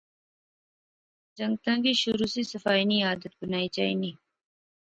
جنگتاں کی شروع سی صفائی نی عادت بنانی چاینی